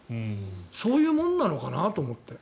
そういうものなのかなと思って。